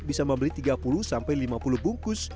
bisa membeli tiga puluh sampai lima puluh bungkus